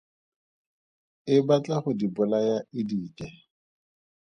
E batla go di bolaya e di je.